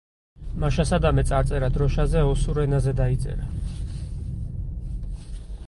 მაშასადამე, წარწერა დროშაზე ოსურ ენაზე დაიწერა.